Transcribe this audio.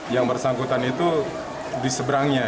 yang bersangkutan itu diseberangnya